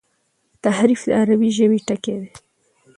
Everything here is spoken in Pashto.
تحریف د عربي ژبي ټکی دﺉ.